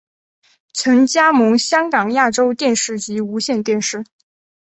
曾加盟香港亚洲电视及无线电视。